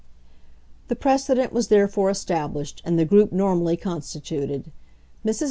The precedent was therefore established and the group normally constituted. Mrs.